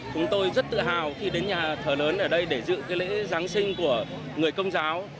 chúng tôi rất tự hào khi đến nhà thờ lớn ở đây để dự lễ giáng sinh của người công giáo